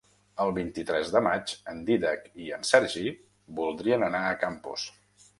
El vint-i-tres de maig en Dídac i en Sergi voldrien anar a Campos.